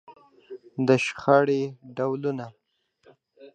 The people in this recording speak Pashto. د شخړې ډولونه.